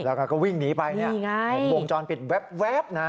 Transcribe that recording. แล้วก็วิ่งหนีไปบงจรปิดแว๊บนะ